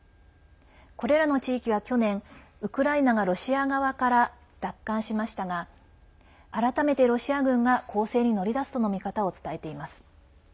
これらの地域は去年ウクライナがロシア側から奪還しましたが改めてロシア軍が攻勢に乗り出すとの見方を伝えています。